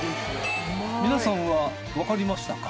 皆さんはわかりましたか？